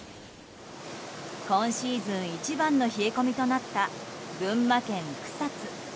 今シーズン一番の冷え込みとなった群馬県草津。